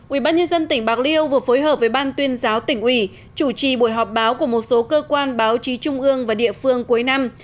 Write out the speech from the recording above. ubnd tỉnh bạc liêu vừa phối hợp với ban tuyên giáo tỉnh ủy chủ trì buổi họp báo của một số cơ quan báo chí trung ương và địa phương cuối năm